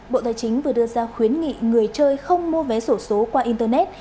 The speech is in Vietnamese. bộ tài chính vừa đưa ra khuyến nghị người chơi không mua vé sổ số qua internet